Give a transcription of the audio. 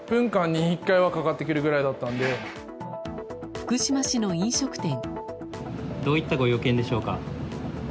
福島市の飲食店。